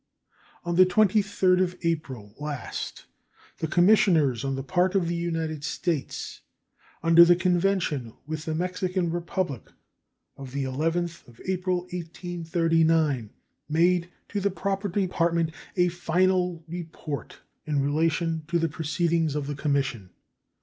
On the 23d of April last the commissioners on the part of the United States under the convention with the Mexican Republic of the 11th of April, 1839, made to the proper Department a final report in relation to the proceedings of the commission.